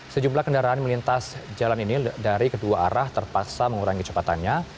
sejumlah kendaraan melintas jalan ini dari kedua arah terpaksa mengurangi kecepatannya